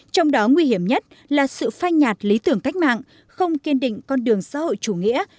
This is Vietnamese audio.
trong đó nguy hiểm nhất là sự phai nhạt lý tưởng cách mạng không kiên định con đường xã hội chủ nghĩa